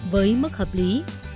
với mức hợp lý